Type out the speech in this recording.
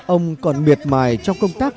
ông còn miệt mài trong công tác